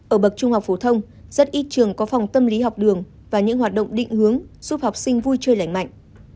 ở bậc trung học phổ thông rất ít trường có phòng tâm lý học đường và những hoạt động định hướng giúp học sinh vui chơi lành mạnh